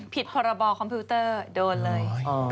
ผิดพอระบอลคอมพิวเตอร์โดนเลย